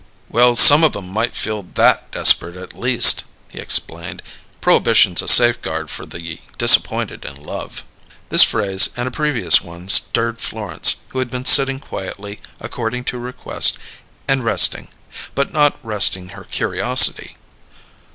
"Well, some of 'em might feel that desperate at least," he explained. "Prohibition's a safeguard for the disappointed in love." This phrase and a previous one stirred Florence, who had been sitting quietly, according to request, and "resting", but not resting her curiosity.